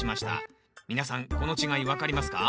皆さんこの違い分かりますか？